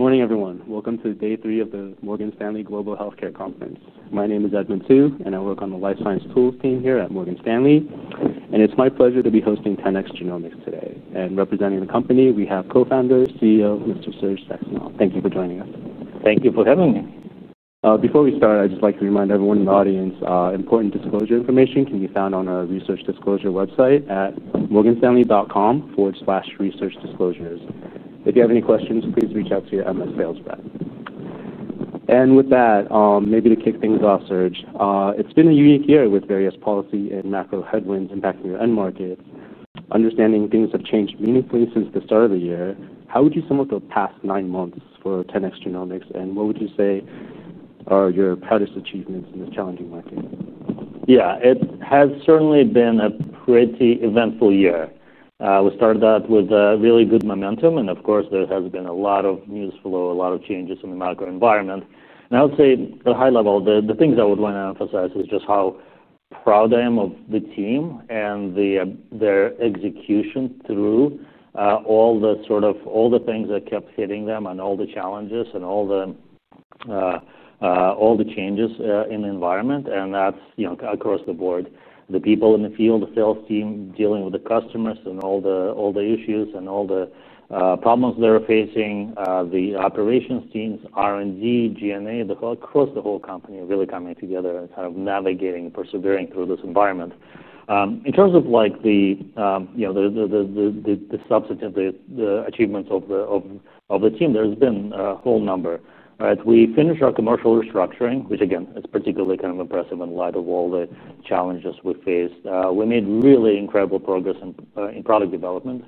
Good morning, everyone. Welcome to day three of the Morgan Stanley Global Healthcare Conference. My name is Edmund Su, and I work on the Life Science Tools team here at Morgan Stanley. It's my pleasure to be hosting 10x Genomics today. Representing the company, we have Co-founder and CEO, Mr. Serge Saxonov. Thank you for joining us. Thank you for having me. Before we start, I'd just like to remind everyone in the audience important disclosure information can be found on our research disclosure website at morganstanley.com/researchdisclosures. If you have any questions, please reach out to your MS sales rep. With that, maybe to kick things off, Serge, it's been a unique year with various policy and macro headwinds impacting your end market. Understanding things have changed meaningfully since the start of the year, how would you sum up the past nine months for 10x Genomics? What would you say are your proudest achievements in this challenging market? Yeah, it has certainly been a pretty eventful year. We started out with really good momentum. There has been a lot of news flow, a lot of changes in the macro environment. I would say at a high level, the things I would want to emphasize is just how proud I am of the team and their execution through all the things that kept hitting them and all the challenges and all the changes in the environment. That's across the board, the people in the field, the sales team dealing with the customers and all the issues and all the problems they're facing, the operations teams, R&D, G&A, across the whole company really coming together and kind of navigating and persevering through this environment. In terms of the substantive achievements of the team, there's been a whole number. We finished our commercial restructuring, which is particularly impressive in light of all the challenges we faced. We made really incredible progress in product development,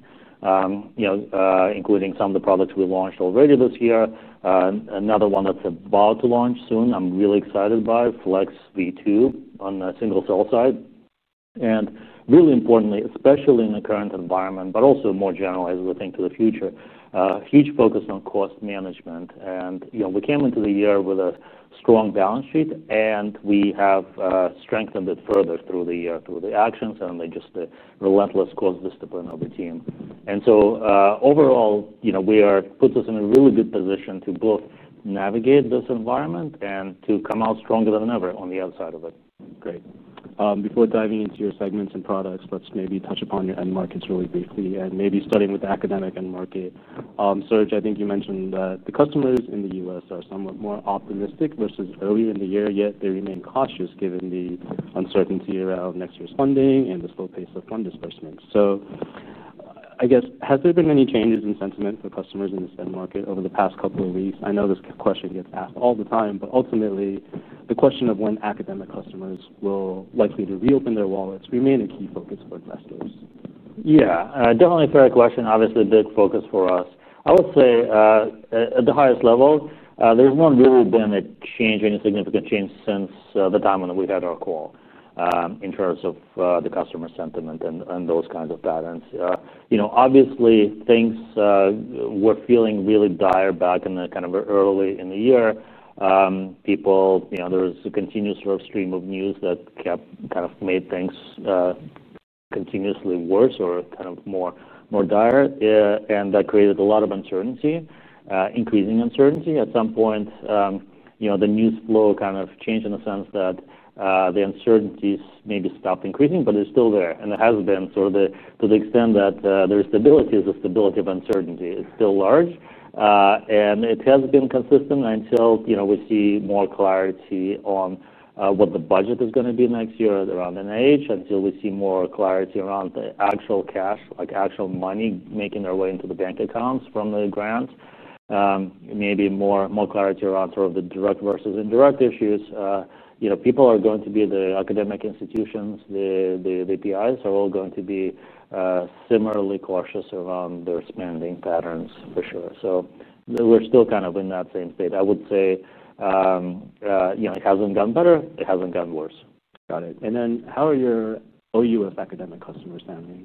including some of the products we launched already this year. Another one that's about to launch soon, I'm really excited by, Chromium Single Cell Gene Expression Flex V2 on the single cell side. Really importantly, especially in the current environment, but also more generalized, I think, to the future, huge focus on cost management. We came into the year with a strong balance sheet. We have strengthened it further through the year, through the actions and just the relentless cost discipline of the team. Overall, it puts us in a really good position to both navigate this environment and to come out stronger than ever on the outside of it. Great. Before diving into your segments and products, let's maybe touch upon your end markets really briefly and maybe starting with the academic end market. Serge, I think you mentioned that the customers in the U.S. are somewhat more optimistic versus earlier in the year, yet they remain cautious given the uncertainty around next year's funding and the slow pace of fund disbursements. I guess, has there been any changes in sentiment for customers in this end market over the past couple of weeks? I know this question gets asked all the time, but ultimately, the question of when academic customers will likely reopen their wallets remained a key focus for investors. Yeah, definitely a fair question. Obviously, a big focus for us. I would say at the highest level, there's not really been a change or any significant change since the time when we had our call in terms of the customer sentiment and those kinds of patterns. Obviously, things were feeling really dire back in the early in the year. There was a continuous stream of news that made things continuously worse or more dire. That created a lot of uncertainty, increasing uncertainty. At some point, the news flow changed in the sense that the uncertainties maybe stopped increasing, but they're still there. It has been, to the extent that there is stability, the stability of uncertainty. It's still large. It has been consistent until we see more clarity on what the budget is going to be next year around NIH, until we see more clarity around the actual cash, like actual money making our way into the bank accounts from the grant. Maybe more clarity around the direct versus indirect issues. People are going to be, the academic institutions, the PIs are all going to be similarly cautious around their spending patterns, for sure. We're still in that same state. I would say it hasn't gotten better. It hasn't gotten worse. Got it. How are your U.S. academic customers standing?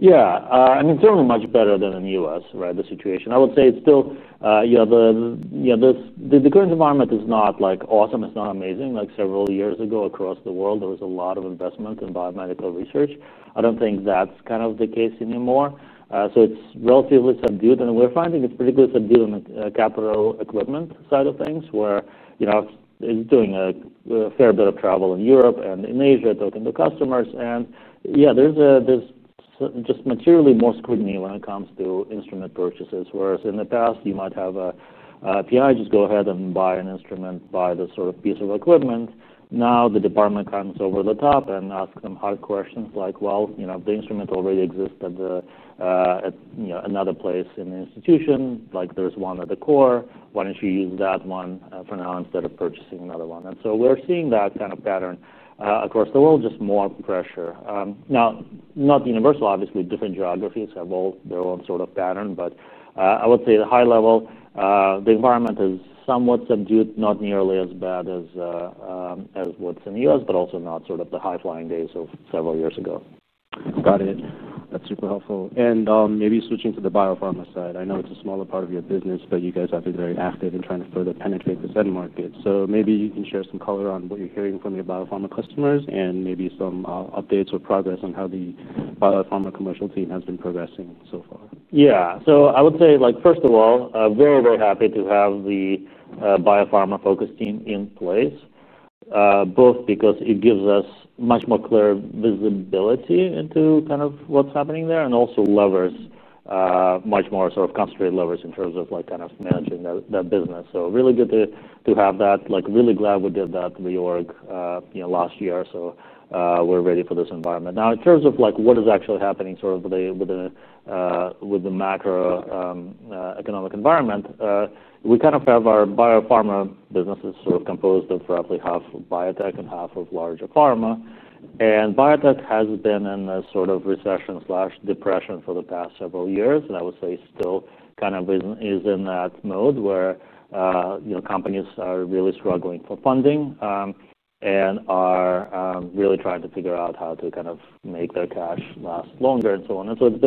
Yeah, I mean, certainly much better than in the U.S., right, the situation. I would say it's still, you know, the current environment is not like awesome. It's not amazing. Like several years ago across the world, there was a lot of investment in biomedical research. I don't think that's kind of the case anymore. It's relatively subdued. We're finding it's particularly subdued on the capital equipment side of things where, you know, I'm doing a fair bit of travel in Europe and in Asia talking to customers. Yeah, there's just materially more scrutiny when it comes to instrument purchases. Whereas in the past, you might have a PI just go ahead and buy an instrument, buy this sort of piece of equipment. Now the department comes over the top and asks them hard questions like, well, you know, if the instrument already exists at another place in the institution, like there's one at the core, why don't you use that one for now instead of purchasing another one? We're seeing that kind of pattern across the world, just more pressure. Not universal, obviously, different geographies have all their own sort of pattern. I would say at a high level, the environment is somewhat subdued, not nearly as bad as what's in the U.S., but also not sort of the high-flying days of several years ago. Got it. That's super helpful. Maybe switching to the biopharma side, I know it's a smaller part of your business, but you guys have been very active in trying to further penetrate this end market. Maybe you can share some color on what you're hearing from your biopharma customers and some updates or progress on how the biopharma commercial team has been progressing so far. Yeah, I would say, first of all, very, very happy to have the biopharma focus team in place, both because it gives us much more clear visibility into what's happening there and also levers, much more sort of concentrated levers in terms of managing that business. Really good to have that. Really glad we did that reorg last year. We're ready for this environment. In terms of what is actually happening with the macroeconomic environment, we have our biopharma business composed of roughly half of biotech and half of larger pharma. Biotech has been in a sort of recession/depression for the past several years. I would say it still is in that mode where companies are really struggling for funding and are really trying to figure out how to make their cash last longer and so on. It's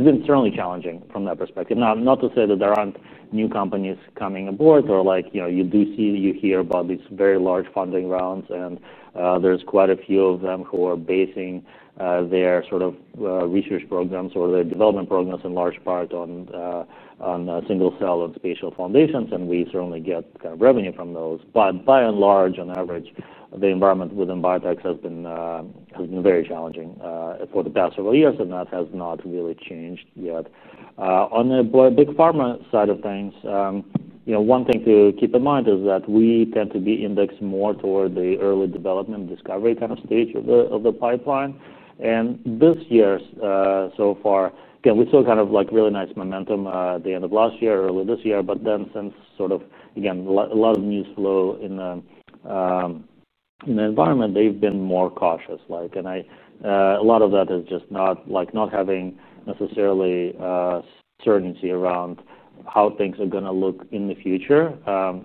been certainly challenging from that perspective. Not to say that there aren't new companies coming aboard or you do hear about these very large funding rounds. There are quite a few of them who are basing their research programs or their development programs in large part on single cell and spatial foundations. We certainly get revenue from those. By and large, on average, the environment within biotech has been very challenging for the past several years. That has not really changed yet. On the big pharma side of things, one thing to keep in mind is that we tend to be indexed more toward the early development discovery stage of the pipeline. This year so far, we saw really nice momentum at the end of last year, early this year. Since a lot of news flow in the environment, they've been more cautious. A lot of that is just not having necessarily certainty around how things are going to look in the future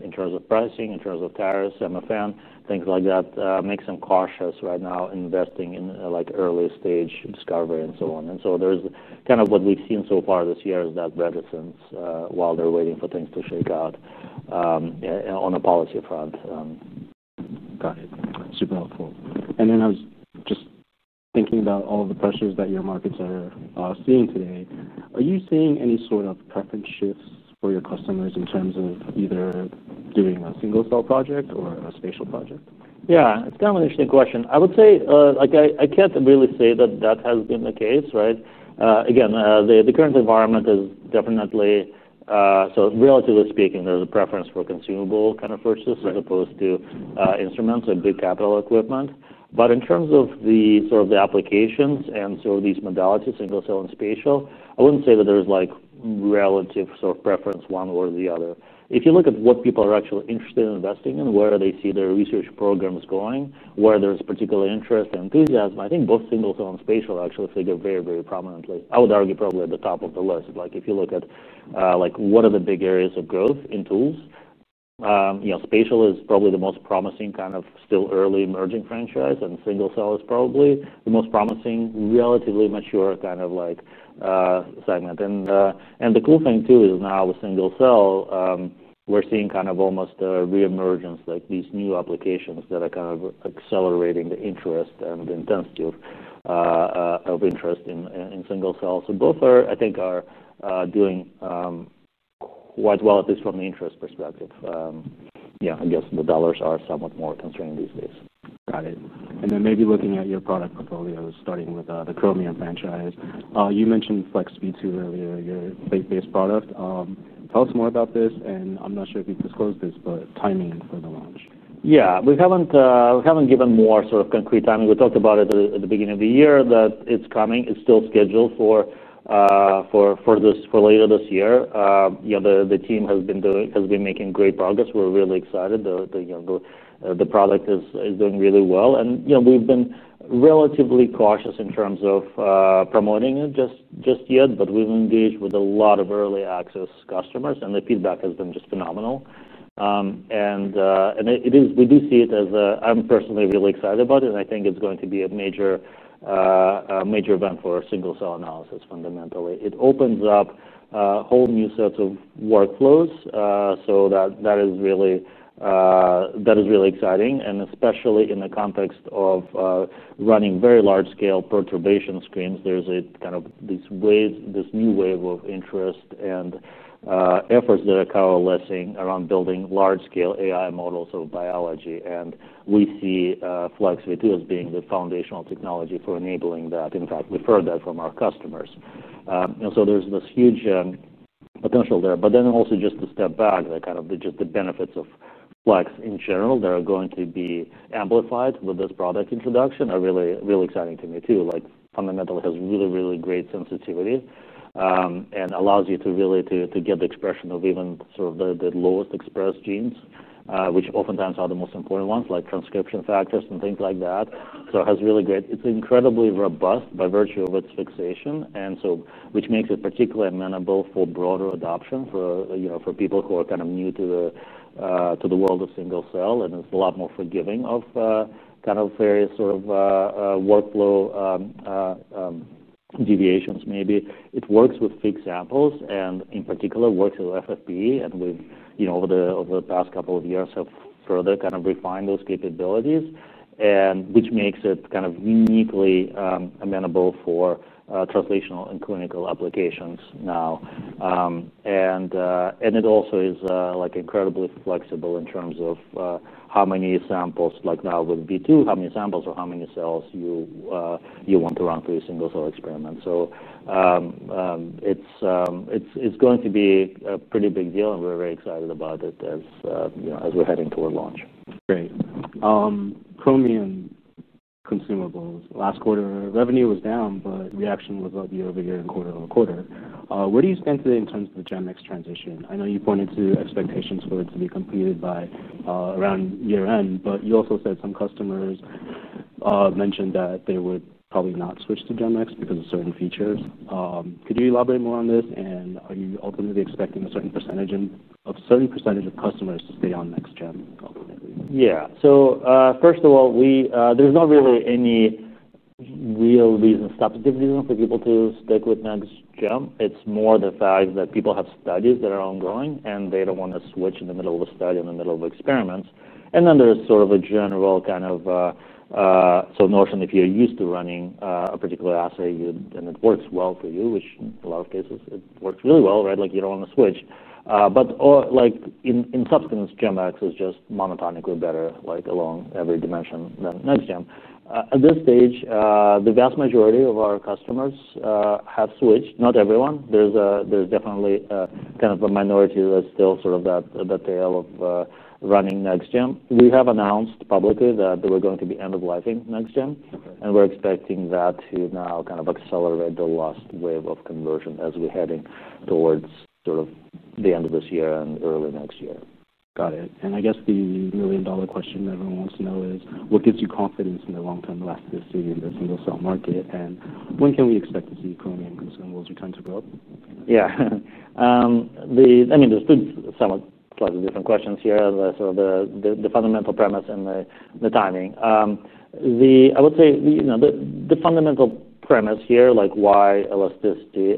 in terms of pricing, in terms of tariffs, MFN, things like that makes them cautious right now investing in early stage discovery and so on. What we've seen so far this year is that reticence while they're waiting for things to shake out on a policy front. Got it. Super helpful. I was just thinking about all the pressures that your markets are seeing today. Are you seeing any sort of preference shifts for your customers in terms of either doing a single cell project or a spatial project? Yeah, it's kind of an interesting question. I would say, I can't really say that that has been the case, right? Again, the current environment is definitely, so relatively speaking, there's a preference for consumable kind of purchases as opposed to instruments or big capital equipment. In terms of the applications and these modalities, single cell and spatial, I wouldn't say that there's relative preference one way or the other. If you look at what people are actually interested in investing in, where they see their research programs going, where there's particular interest and enthusiasm, I think both single cell and spatial actually figure very, very prominently. I would argue probably at the top of the list. If you look at what are the big areas of growth in tools, spatial is probably the most promising kind of still early emerging franchise. Single cell is probably the most promising, relatively mature kind of segment. The cool thing too is now with single cell, we're seeing almost a reemergence, like these new applications that are accelerating the interest and the intensity of interest in single cell. Both are, I think, doing quite well, at least from the interest perspective. I guess the dollars are somewhat more concerning these days. Got it. Maybe looking at your product portfolio, starting with the Chromium franchise, you mentioned Chromium Single Cell Gene Expression Flex V2 earlier, your base product. Tell us more about this. I'm not sure if you disclosed this, but timing for the launch. Yeah, we haven't given more sort of concrete timing. We talked about it at the beginning of the year that it's coming. It's still scheduled for later this year. The team has been making great progress. We're really excited. The product is doing really well. We've been relatively cautious in terms of promoting it just yet, but we've engaged with a lot of early access customers. The feedback has been just phenomenal. I am personally really excited about it, and I think it's going to be a major event for single cell analysis fundamentally. It opens up a whole new set of workflows. That is really exciting, especially in the context of running very large scale perturbation screens. There's this new wave of interest and efforts that are coalescing around building large scale AI models of biology, and we see Flex V2 as being the foundational technology for enabling that. In fact, we've heard that from our customers, and there's this huge potential there. Just to step back, the benefits of Flex in general that are going to be amplified with this product introduction are really, really exciting to me too. It fundamentally has really, really great sensitivity and allows you to really get the expression of even the lowest expressed genes, which oftentimes are the most important ones, like transcription factors and things like that. It has really great, incredibly robust performance by virtue of its fixation, which makes it particularly amenable for broader adoption for people who are kind of new to the world of single cell. It's a lot more forgiving of various workflow deviations maybe. It works with fixed samples and in particular works with FFPE. Over the past couple of years, we have further refined those capabilities, which makes it uniquely amenable for translational and clinical applications now. It also is incredibly flexible in terms of how many samples, like now with V2, how many samples or how many cells you want to run through your single cell experiment. It's going to be a pretty big deal, and we're very excited about it as we're heading toward launch. Great. Chromium consumables, last quarter revenue was down, but reaction was about the year over year and quarter over quarter. What do you think today in terms of the GenX transition? I know you pointed to expectations for it to be completed by around year end, but you also said some customers mentioned that they would probably not switch to GenX because of certain features. Could you elaborate more on this? Are you ultimately expecting a certain percentage of customers to stay on NextGen? Yeah, so first of all, there's not really any real reason for people to stick with NextGen. It's more the fact that people have studies that are ongoing and they don't want to switch in the middle of a study, in the middle of experiments. There's sort of a general kind of notion if you're used to running a particular assay and it works well for you, which in a lot of cases it works really well, right? You don't want to switch. Like in subsequent GenX, it's just monotonically better along every dimension than NextGen. At this stage, the vast majority of our customers have switched. Not everyone. There's definitely kind of a minority that's still sort of that tail of running NextGen. We have announced publicly that we're going to be end of lifing NextGen. We're expecting that to now kind of accelerate the last wave of conversion as we're heading towards the end of this year and early next year. Got it. I guess the million dollar question that everyone wants to know is what gives you confidence in the long term elasticity in the single cell market? When can we expect to see Chromium consumables return to growth? Yeah, I mean, there's been several different questions here, sort of the fundamental premise and the timing. I would say, you know, the fundamental premise here, like why elasticity?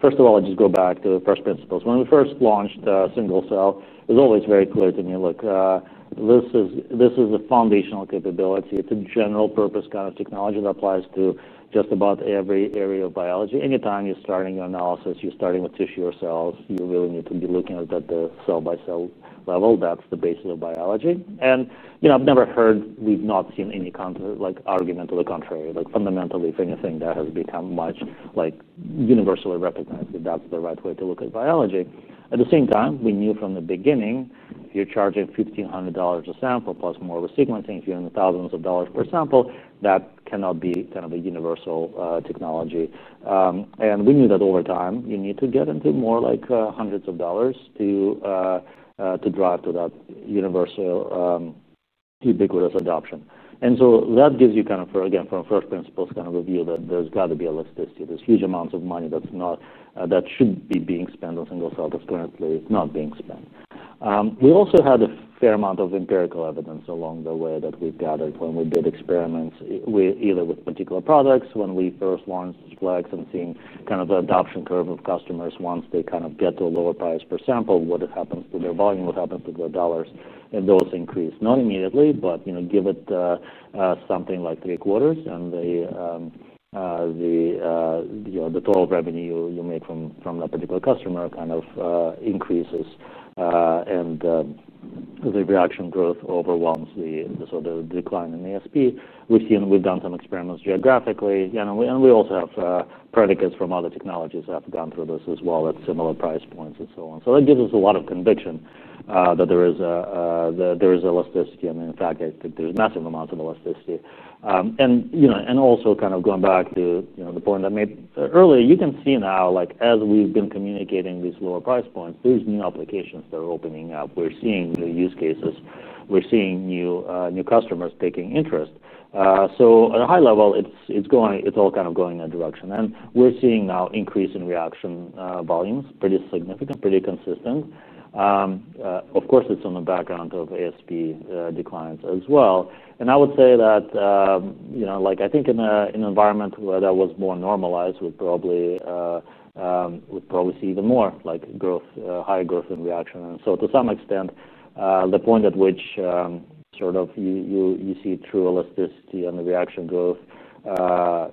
First of all, I'll just go back to the first principles. When we first launched the single cell, it was always very clear to me, look, this is the foundational capability. It's a general purpose kind of technology that applies to just about every area of biology. Anytime you're starting your analysis, you're starting with tissue or cells, you really need to be looking at the cell by cell level. That's the basis of biology. I've never heard, we've not seen any kind of argument to the contrary, like fundamentally for anything that has become much like universally recognized that that's the right way to look at biology. At the same time, we knew from the beginning, if you're charging $1,500 a sample plus more of a sequencing, if you're in the thousands of dollars per sample, that cannot be kind of a universal technology. We knew that over time, you need to get into more like hundreds of dollars to drive to that universal ubiquitous adoption. That gives you kind of, again, from a first principles kind of a view that there's got to be elasticity. There's huge amounts of money that should be being spent on single cell that's currently not being spent. We also had a fair amount of empirical evidence along the way that we gathered when we did experiments either with particular products. When we first launched Flex and seen kind of the adoption curve of customers, once they kind of get to a lower price per sample, what happens to their volume, what happens to their dollars? Those increase, not immediately, but give it something like three quarters. The total revenue you make from that particular customer kind of increases. The reaction growth overwhelms the sort of the decline in ASP. We've seen, we've done some experiments geographically. We also have predicates from other technologies that have gone through this as well at similar price points and so on. That gives us a lot of conviction that there is elasticity. In fact, I think there's massive amounts of elasticity. Also, kind of going back to the point I made earlier, you can see now, like as we've been communicating these lower price points, there's new applications that are opening up. We're seeing new use cases. We're seeing new customers taking interest. At a high level, it's going, it's all kind of going in that direction. We're seeing now increase in reaction volumes, pretty significant, pretty consistent. Of course, it's on the background of ASP declines as well. I would say that, you know, like I think in an environment where that was more normalized, we'd probably see even more like growth, higher growth in reaction. To some extent, the point at which sort of you see true elasticity and the reaction growth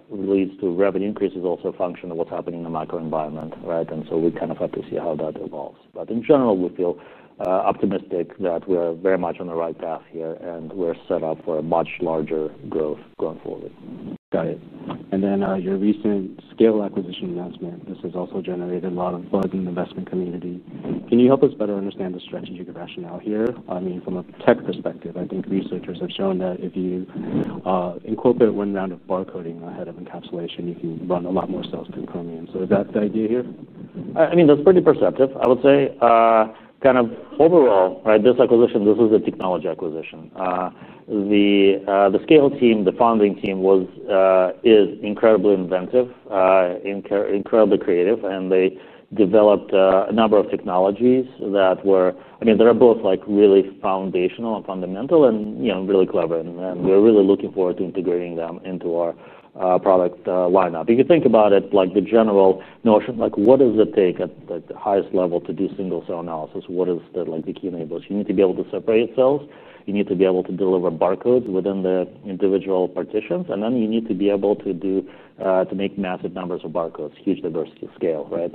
leads to revenue increase is also a function of what's happening in the macro environment, right? We kind of have to see how that evolves. In general, we feel optimistic that we're very much on the right path here, and we're set up for a much larger growth going forward. Got it. Your recent Scale Biosciences acquisition, this has also generated a lot of buzz in the investment community. Can you help us better understand the strategic rationale here? I mean, from a tech perspective, I think researchers have shown that if you incorporate one round of barcoding ahead of encapsulation, you can run a lot more cells through Chromium. Is that the idea here? I mean, that's pretty perceptive, I would say. Kind of overall, right, this acquisition, this is a technology acquisition. The Scale team, the founding team was, is incredibly inventive, incredibly creative. They developed a number of technologies that were, again, they're both really foundational and fundamental and really clever. We're really looking forward to integrating them into our product lineup. If you think about it, the general notion, what does it take at the highest level to do single cell analysis? What is the key enabler? You need to be able to separate cells. You need to be able to deliver barcodes within the individual partitions. You need to be able to make massive numbers of barcodes, huge diversity of scale, right?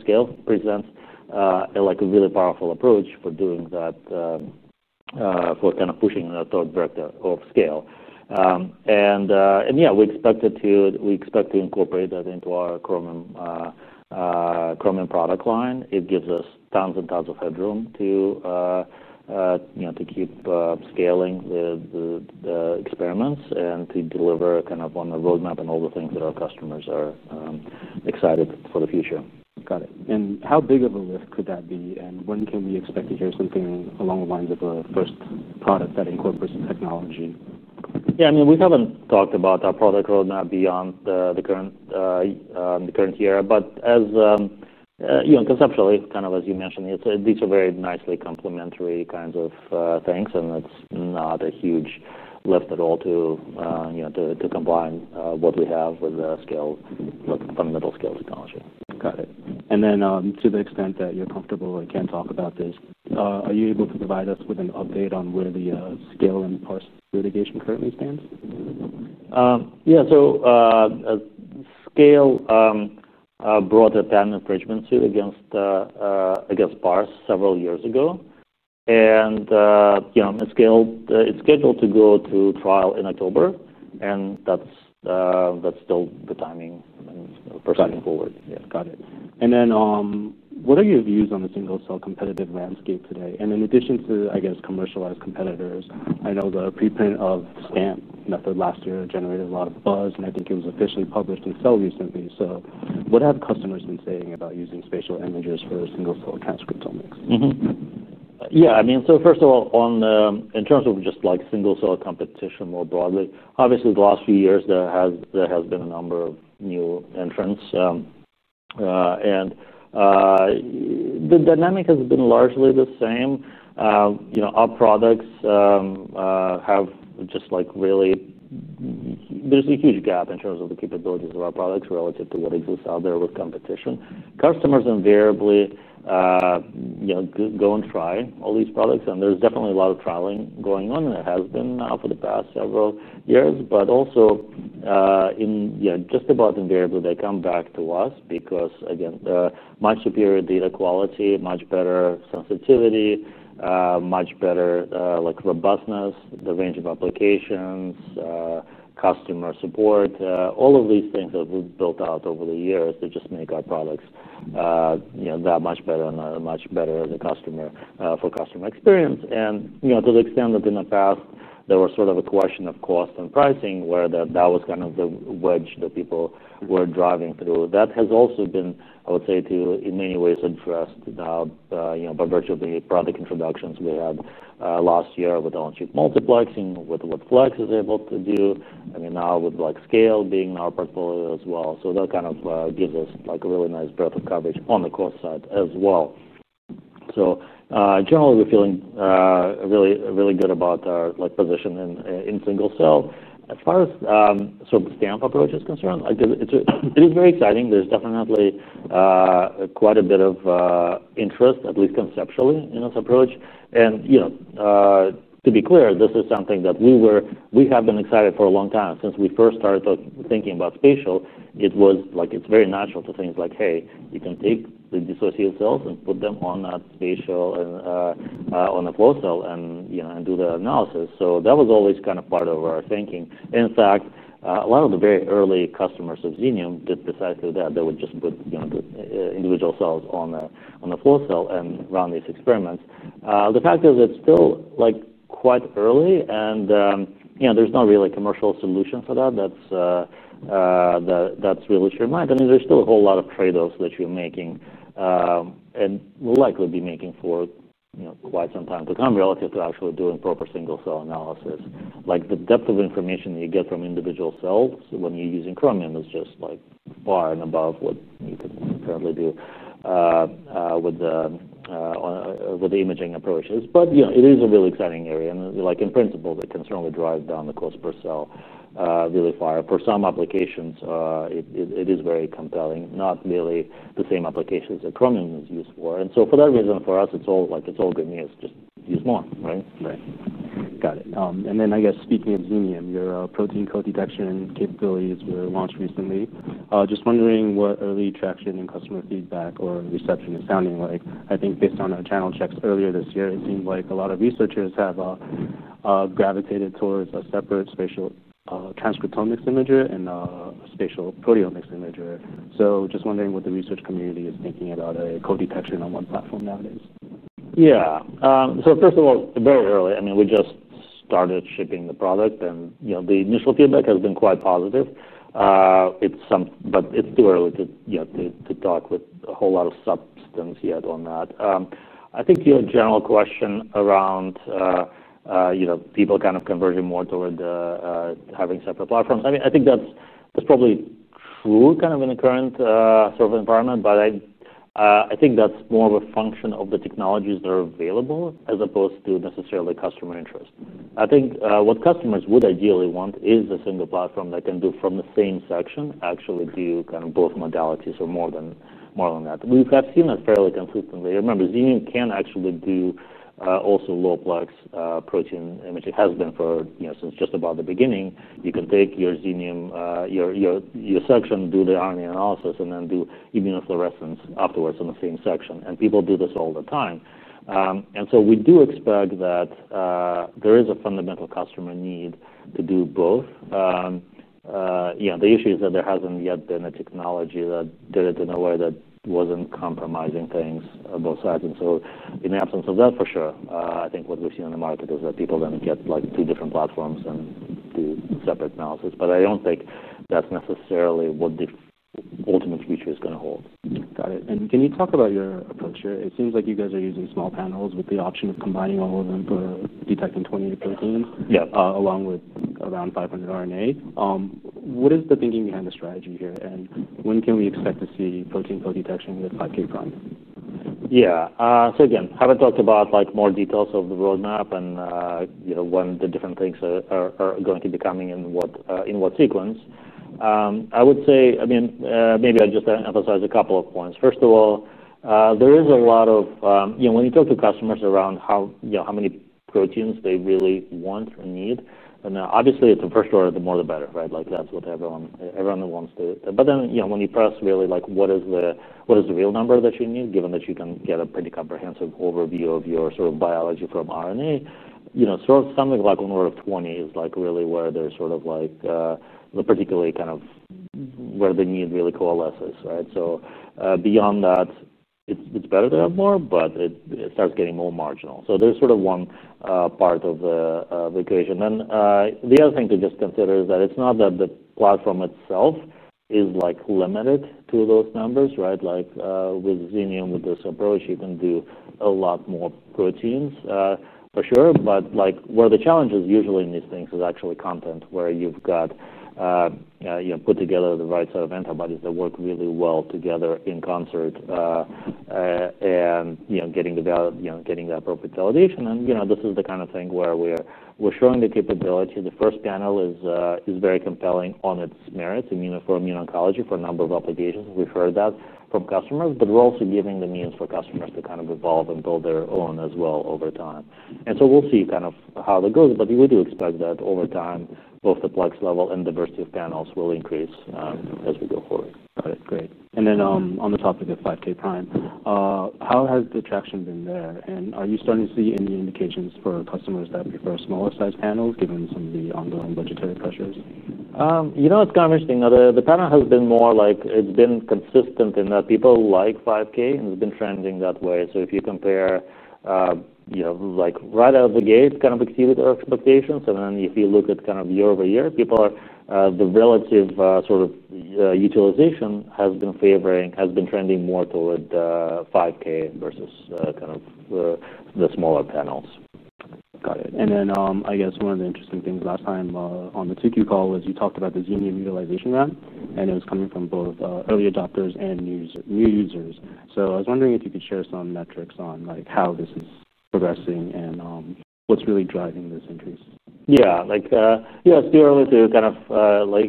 Scale presents a really powerful approach for doing that, for pushing the third vector of scale. We expect to incorporate that into our Chromium product line. It gives us tons and tons of headroom to keep scaling the experiments and to deliver on the roadmap and all the things that our customers are excited for the future. Got it. How big of a lift could that be? When can we expect to hear something along the lines of a first product that incorporates the technology? Yeah, I mean, we haven't talked about our product roadmap beyond the current year. As you know, conceptually, kind of as you mentioned, these are very nicely complementary kinds of things. It's not a huge lift at all to combine what we have with the Scale fundamental scale technology. Got it. To the extent that you're comfortable, are you able to provide us with an update on where the scaling cost mitigation currently stands? Yeah, so Scale Biosciences brought a patent infringement suit against 10x Genomics several years ago. It's scheduled to go to trial in October, and that's still the timing and proceeding forward. Got it. What are your views on the single cell competitive landscape today? In addition to commercialized competitors, I know the preprint of STANT method last year generated a lot of buzz. I think it was officially published in Cell recently. What have customers been saying about using spatial images for single cell transcriptomics? Yeah, I mean, first of all, in terms of just single cell competition more broadly, obviously, the last few years, there has been a number of new entrants. The dynamic has been largely the same. Our products have just really, there's a huge gap in terms of the capabilities of our products relative to what exists out there with competition. Customers invariably go and try all these products. There's definitely a lot of trialing going on, and it has been now for the past several years. Just about invariably, they come back to us because, again, much superior data quality, much better sensitivity, much better robustness, the range of applications, customer support, all of these things that we've built out over the years to make our products that much better and much better as a customer for customer experience. To the extent that in the past, there was sort of a question of cost and pricing where that was kind of the wedge that people were driving through, that has also been, I would say, in many ways, addressed now by virtue of the product introductions we had last year with Elm Street Multiplexing, with what Flex is able to do. Now with Scale being in our portfolio as well, that kind of gives us a really nice breadth of coverage on the cost side as well. Generally, we're feeling really, really good about our position in single cell. As far as the STANT approach is concerned, it is very exciting. There's definitely quite a bit of interest, at least conceptually, in this approach. To be clear, this is something that we have been excited for a long time. Since we first started thinking about spatial, it was very natural to think, hey, you can take the dissociated cells and put them on that spatial and on a closed cell and do the analysis. That was always kind of part of our thinking. In fact, a lot of the very early customers of Xenium did precisely that. They would just put individual cells on a floor cell and run these experiments. The fact is it's still quite early, and there's no really commercial solution for that that's really streamlined. There's still a whole lot of trade-offs that you're making, and we'll likely be making for quite some time to come relative to actually doing proper single cell analysis. The depth of information that you get from individual cells when you're using Chromium is just far and above what you could currently do with the imaging approaches. It is a really exciting area. In principle, they can certainly drive down the cost per cell really far. For some applications, it is very compelling, not really the same applications that Chromium is used for. For that reason, for us, it's all good news. Just use more, right? Right. Got it. I guess speaking of Xenium, your protein co-detection capabilities were launched recently. Just wondering what early traction in customer feedback or reception is sounding like. I think based on our channel checks earlier this year, it seems like a lot of researchers have gravitated towards a separate spatial transcriptomics imager and a spatial proteomics imager. Just wondering what the research community is thinking about a co-detection on one platform nowadays. Yeah, so first of all, very early. I mean, we just started shipping the product, and the initial feedback has been quite positive. It's something, but it's too early to talk with a whole lot of substance yet on that. I think your general question around people kind of converging more toward having separate platforms, I mean, I think that's probably true in the current sort of environment. I think that's more of a function of the technologies that are available as opposed to necessarily customer interest. I think what customers would ideally want is a single platform that can do from the same section, actually do both modalities or more than that. We have seen that fairly consistently. Remember, Xenium can actually do also low-plex protein imaging. It has been for, you know, since just about the beginning. You can take your Xenium section, do the RNA analysis, and then do immunofluorescence afterwards on the same section. People do this all the time. We do expect that there is a fundamental customer need to do both. The issue is that there hasn't yet been a technology that did it in a way that wasn't compromising things both sides. In the absence of that, for sure, I think what we've seen in the market is that people then get like three different platforms and do separate analysis. I don't think that's necessarily what the ultimate future is going to hold. Got it. Can you talk about your approach here? It seems like you guys are using small panels with the option of combining all of them for detecting 20 proteins, yeah, along with around 500 RNA. What is the thinking behind the strategy here? When can we expect to see protein co-detection with 5K prime? Yeah, so again, I haven't talked about more details of the roadmap and when the different things are going to be coming and in what sequence. I would say, maybe I just emphasize a couple of points. First of all, there is a lot of, you know, when you talk to customers around how many proteins they really want and need. Obviously, the first order, the more the better, right? That's what everyone wants too. When you press really, what is the real number that you need, given that you can get a pretty comprehensive overview of your sort of biology from RNA, something like on order of 20 is really where they're particularly kind of where the need really coalesces, right? Beyond that, it's better to have more, but it starts getting more marginal. That's one part of the equation. The other thing to consider is that it's not that the platform itself is limited to those numbers. With Xenium, with this approach, you can do a lot more proteins, for sure. Where the challenge is usually in these things is actually content, where you've got to put together the right set of antibodies that work really well together in concert, and getting the appropriate validation. This is the kind of thing where we're showing the capability. The first panel is very compelling on its merit for immune oncology for a number of applications. We've heard that from customers, but we're also giving the means for customers to evolve and build their own as well over time. We'll see how that goes. We do expect that over time, both the PLEX level and the diversity of panels will increase as we go forward. Great. On the topic of 5K prime, how has the traction been there? Are you starting to see any indications for customers that prefer smaller size panels, given some of the ongoing budgetary pressures? It's kind of interesting. The panel has been more like, it's been consistent in that people like 5K, and it's been trending that way. If you compare, like right out of the gate, it's kind of exceeded expectations. If you look at year over year, people are, the relative sort of utilization has been favoring, has been trending more toward 5K versus the smaller panels. Got it. I guess one of the interesting things last time on the Q2 call was you talked about the Xenium utilization graph. It was coming from both early adopters and new users. I was wondering if you could share some metrics on how this is progressing and what's really driving this interest. Yeah, it's too early to kind of,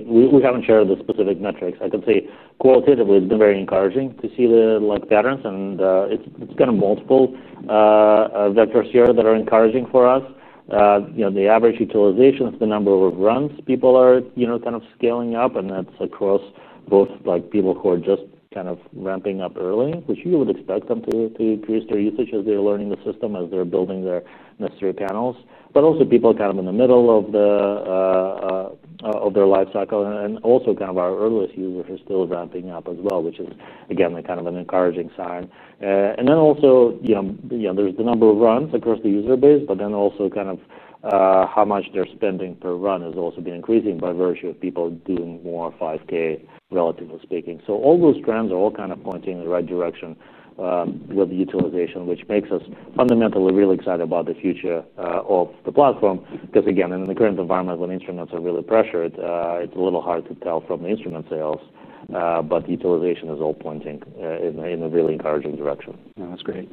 we haven't shared the specific metrics. I can say qualitatively, it's been very encouraging to see the patterns. It's kind of multiple vectors here that are encouraging for us. The average utilization of the number of runs people are scaling up, and that's across both people who are just ramping up early, which you would expect them to increase their usage as they're learning the system, as they're building their necessary panels, but also people in the middle of their life cycle. Our earliest users are still ramping up as well, which is again an encouraging sign. There's the number of runs across the user base, but also how much they're spending per run has also been increasing by virtue of people doing more 5K, relatively speaking. All those trends are pointing in the right direction with the utilization, which makes us fundamentally really excited about the future of the platform. In the current environment, when instruments are really pressured, it's a little hard to tell from the instrument sales. The utilization is all pointing in a really encouraging direction. No, that's great.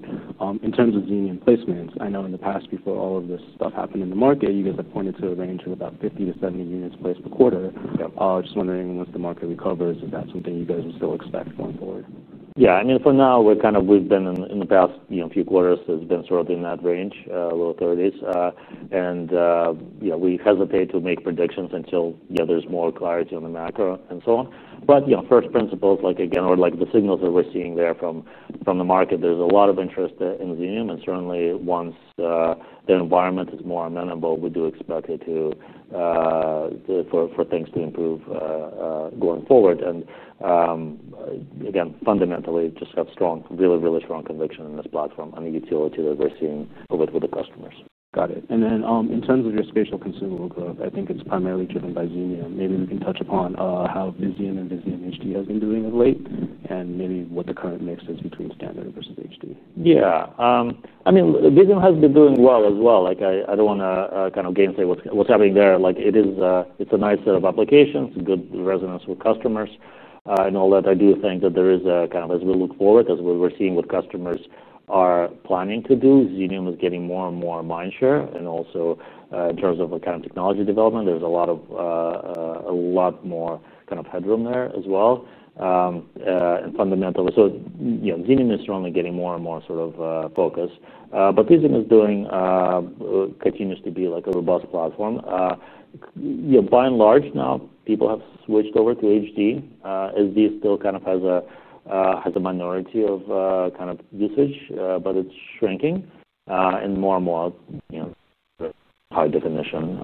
In terms of Xenium placements, I know in the past before all of this stuff happened in the market, you guys have pointed to a range of about 50 to 70 units placed per quarter. I was just wondering, once the market recovers, is that something you guys would still expect going forward? Yeah, for now, we've been in the past few quarters sort of in that range, lower 30%. We hesitate to make predictions until there's more clarity on the macro and so on. First principles, like the signals that we're seeing there from the market, there's a lot of interest in Xenium. Certainly, once the environment is more amenable, we do expect for things to improve going forward. Fundamentally, just have strong, really, really strong conviction in this platform and the utility that we're seeing of it with the customers. Got it. In terms of your spatial consumable growth, I think it's primarily driven by Xenium. Maybe we can touch upon how Visium and Visium HD have been doing of late and what the current mix is between standard versus HD. Yeah, I mean, Visium has been doing well as well. I don't want to kind of game play with what's happening there. It is a nice set of applications, good resonance with customers. I do think that as we look forward, because we're seeing what customers are planning to do, Xenium is getting more and more mindshare. Also, in terms of account technology development, there's a lot more kind of headroom there as well. Fundamentally, Xenium is certainly getting more and more sort of focused. Visium continues to be a robust platform. By and large, now people have switched over to HD. HD still kind of has a minority of usage, but it's shrinking and more and more high definition,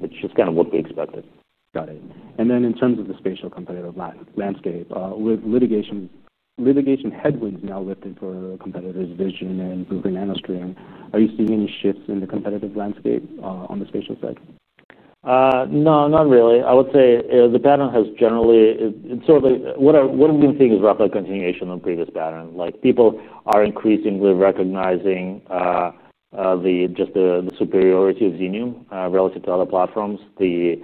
which is kind of what we expected. Got it. In terms of the spatial competitive landscape, litigation headwinds are now lifted for competitors Vizgen and NanoString. Are you seeing any shifts in the competitive landscape on the spatial side? No, not really. I would say the pattern has generally, it's sort of what I've been seeing is roughly a continuation of the previous pattern. People are increasingly recognizing just the superiority of Xenium In Situ relative to other platforms. The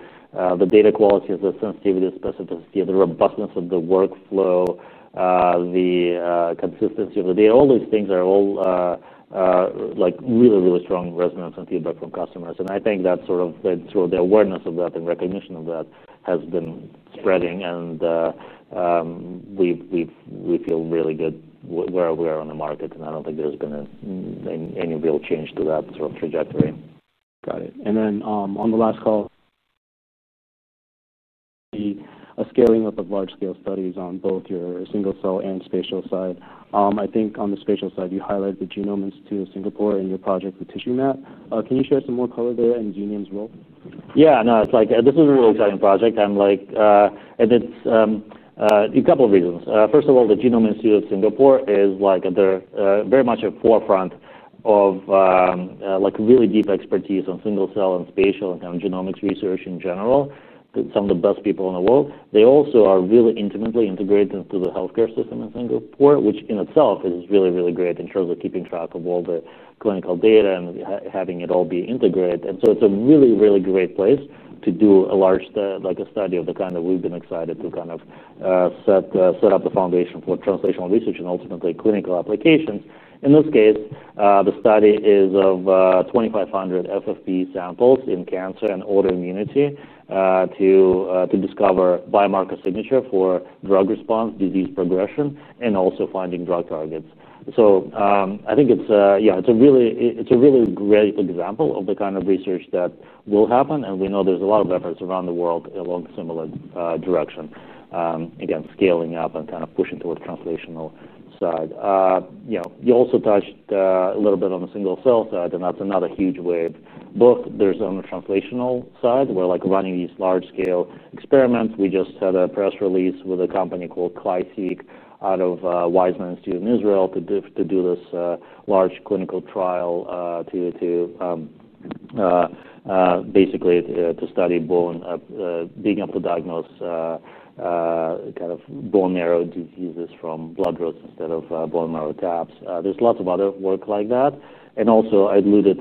data quality, the sensitivity, the specificity, the robustness of the workflow, the consistency of the data, all these things are all really, really strong resonance and feedback from customers. I think that sort of led to the awareness of that and recognition of that has been spreading. We feel really good where we are on the market. I don't think there's been any real change to that sort of trajectory. Got it. On the last call, a scaling up of large scale studies on both your single cell and spatial side was discussed. I think on the spatial side, you highlight the Genomics to Singapore and your project with TissueNet. Can you share some more color there in Xenium In Situ's role? Yeah, no, it's like this is a real exciting project, and it's a couple of reasons. First of all, the Genomics Institute of Singapore is like they're very much at the forefront of really deep expertise on single cell and spatial and kind of genomics research in general. Some of the best people in the world. They also are really intimately integrated into the healthcare system in Singapore, which in itself is really, really great in terms of keeping track of all the clinical data and having it all be integrated. It's a really, really great place to do a large study of the kind that we've been excited to kind of set up the foundation for translational research and ultimately clinical application. In this case, the study is of 2,500 FFPE samples in cancer and autoimmunity to discover biomarker signature for drug response, disease progression, and also finding drug targets. I think it's a really great example of the kind of research that will happen. We know there's a lot of efforts around the world along a similar direction, again, scaling up and kind of pushing towards the translational side. You also touched a little bit on the single cell side. That's another huge wave. Both there's on the translational side where running these large scale experiments. We just had a press release with a company called ClySeq out of Weizmann Institute in Israel to do this large clinical trial to basically study bone, being able to diagnose kind of bone marrow diseases from blood drops instead of bone marrow taps. There's lots of other work like that. I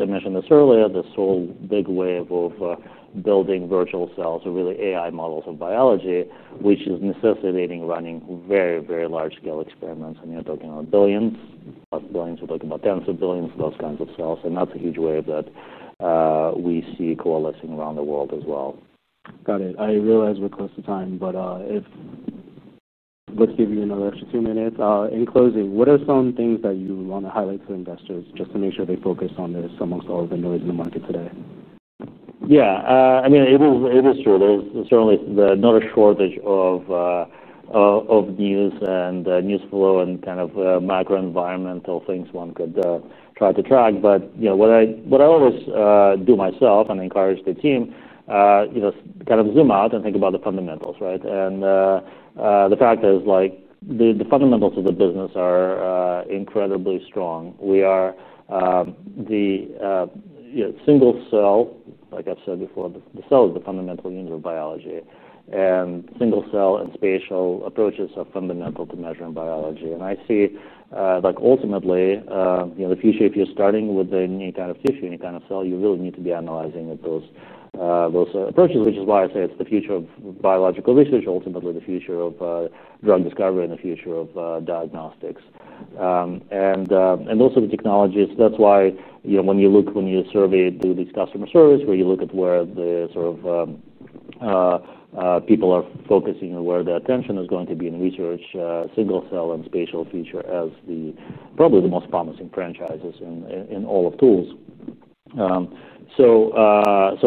mentioned this earlier, this whole big wave of building virtual cells or really AI models of biology, which is necessitating running very, very large scale experiments. You're talking about billions, but we're talking about tens of billions of those kinds of cells. That's a huge wave that we see coalescing around the world as well. Got it. I realize we're close to time, but let's give you another extra two minutes. In closing, what are some things that you want to highlight for investors just to make sure they focus on this amongst all of the noise in the market today? Yeah, I mean, it is true. There's certainly not a shortage of news and news flow and kind of macro environmental things one could try to track. What I always do myself and encourage the team, you know, kind of zoom out and think about the fundamentals, right? The fact is like the fundamentals of the business are incredibly strong. We are the single cell, like I've said before, the cell is the fundamental unit of biology. Single cell and spatial approaches are fundamental to measuring biology. I see like ultimately, you know, the future, if you're starting with any kind of tissue, any kind of cell, you really need to be analyzing those approaches, which is why I say it's the future of biological research, ultimately the future of drug discovery and the future of diagnostics. Also the technologies. That's why, you know, when you look, when you survey these customer surveys, where you look at where the sort of people are focusing and where their attention is going to be in research, single cell and spatial feature is probably the most promising franchises in all of tools.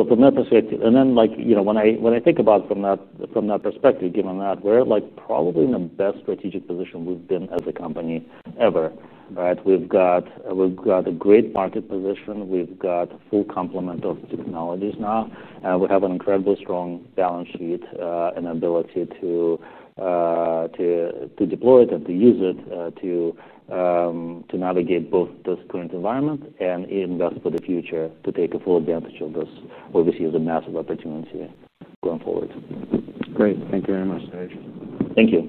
From that perspective, and then like, you know, when I think about from that perspective, given that we're like probably in the best strategic position we've been as a company ever, right? We've got a great market position. We've got a full complement of technologies now. We have an incredibly strong balance sheet and ability to deploy it and to use it to navigate both this current environment and invest for the future to take a full advantage of this, obviously, as a massive opportunity going forward. Great. Thank you very much, Serge. Thank you.